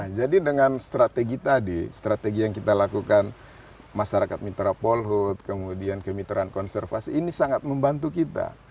nah jadi dengan strategi tadi strategi yang kita lakukan masyarakat mitra polhut kemudian kemitraan konservasi ini sangat membantu kita